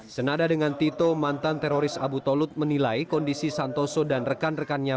senada dengan tito mantan teroris abu tolut menilai kondisi santoso dan rekan rekannya